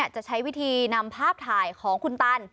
จะใช้วิธีนำภาพถ่ายของคุณตัน